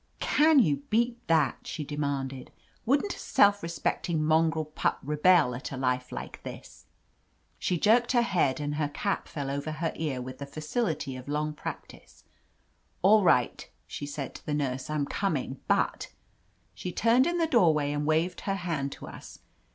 "Can you beat that?" she de manded. "Wouldn^t a self respecting mon grel pup rebel at a life like this?" She jerked her head — and her cap fell over her ear with the facility of long practice. "All right," she said to the nurse, "I'm coming, but —" shr turned in the doorway and waved her hand to us.